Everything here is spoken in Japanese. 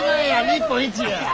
日本一や！